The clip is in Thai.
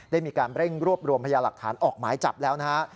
ได้มีการเร่งรวบรวมพยาหลักฐานออกหมายจับแล้วนะฮะ